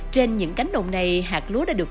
trên những cánh đồng này hạt lúa đã được